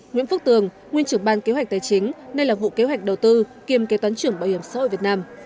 nguyễn phước tường nguyên trưởng ban kế hoạch tài chính đây là vụ kế hoạch đầu tư kiêm kế toán trưởng bảo hiểm xã hội việt nam